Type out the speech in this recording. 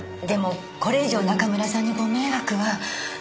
でもこれ以上中村さんにご迷惑は。